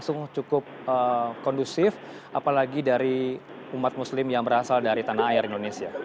yang cukup kondusif apalagi dari umat muslim yang berasal dari tanah air indonesia